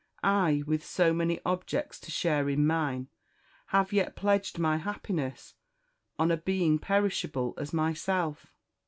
I, with so many objects to share in mine, have yet pledged my happiness on a being perishable as myself!"